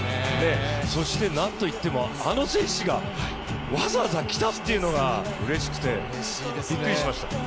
そして何といってもあの選手がわざわざ来たっていうのがうれしくてびっくりしました。